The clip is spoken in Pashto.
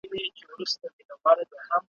علاج یې نه کیږي، سوځلي د هجران نه راځي